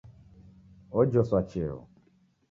Ojoswa cheo